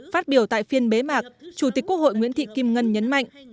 phát biểu tại phiên bế mạc chủ tịch quốc hội nguyễn thị kim ngân nhấn mạnh